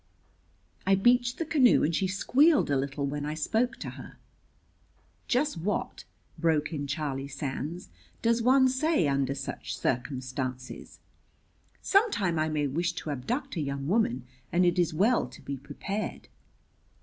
I beached the canoe and she squealed a little when I spoke to her." "Just what," broke in Charlie Sands, "does one say under such circumstances? Sometime I may wish to abduct a young woman and it is well to be prepared."